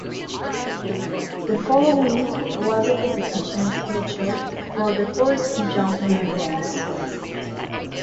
The following was the competition schedule for the four ski jumping events.